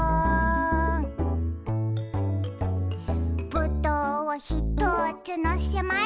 「ぶどうをひとつのせました」